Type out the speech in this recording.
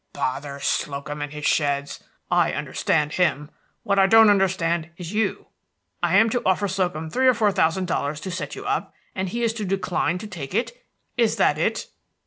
"Bother Slocum and his sheds! I understand him. What I don't understand is you. I am to offer Slocum three or four thousand dollars to set you up, and he is to decline to take it. Is that it?"